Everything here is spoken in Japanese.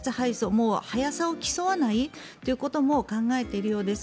もう速さを競わないということも考えているようです。